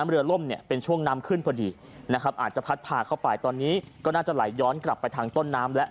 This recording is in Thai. เรือล่มเนี่ยเป็นช่วงน้ำขึ้นพอดีนะครับอาจจะพัดพาเข้าไปตอนนี้ก็น่าจะไหลย้อนกลับไปทางต้นน้ำแล้ว